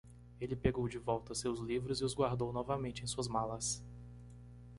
Ele pegou de volta seus livros e os guardou novamente em suas malas.